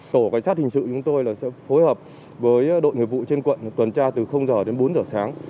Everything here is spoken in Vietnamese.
tổ cảnh sát hình sự chúng tôi sẽ phối hợp với đội nghiệp vụ trên quận tuần tra từ giờ đến bốn h sáng